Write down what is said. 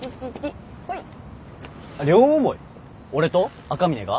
俺と赤嶺が？